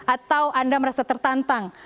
atau anda merasa tertantang